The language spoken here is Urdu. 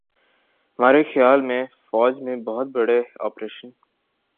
مارے خیال میں فوج میں بہت بڑے آپریشن